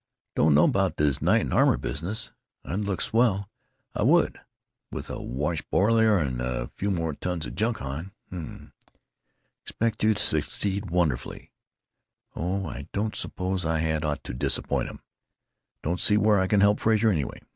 "Dun'no' about this knight and armor business. I'd look swell, I would, with a wash boiler and a few more tons of junk on. Mmm! 'Expect you to succeed wonderfully——' Oh, I don't suppose I had ought to disappoint 'em. Don't see where I can help Frazer, anyway.